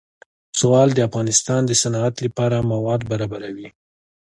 زغال د افغانستان د صنعت لپاره مواد برابروي.